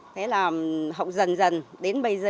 thế là học dần dần đến bây giờ